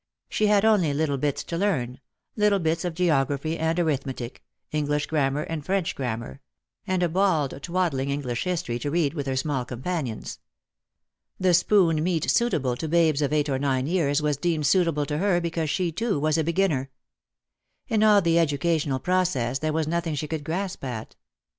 She had only little bits to learn — little bits of geography and arithmetic, English grammar and French grammar — and a bald twaddling English history to read with her small companions. The spoon meat suitable to babes of eight or nine years was deemed suitable to her because she too was a beginner. In all the educational process there was nothing she could grasp at.